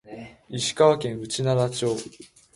石川県内灘町